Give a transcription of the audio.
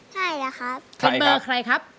เป็นเบอร์ใครครับ